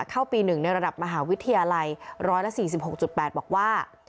เข้าปี๑ในระดับมหาวิทยาลัย๑๔๖๘บอกว่า